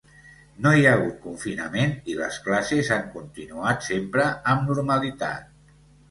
No hi ha hagut confinament i les classes han continuat sempre amb normalitat.